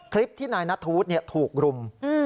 คลิปที่นายนัทธวุฒิถูกรุม